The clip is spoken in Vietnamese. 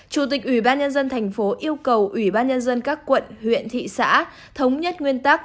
chủ tịch ủy ban nhân dân thành phố yêu cầu ủy ban nhân dân các quận huyện thị xã thống nhất nguyên tắc